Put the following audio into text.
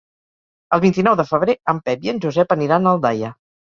El vint-i-nou de febrer en Pep i en Josep aniran a Aldaia.